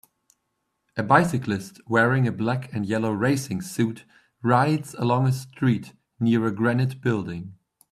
A bicyclist wearing a black and yellow racing suit rides along a street near a granite building.